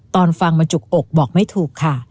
ตอนฟังมาจุกอกบอกไม่ถูกค่ะ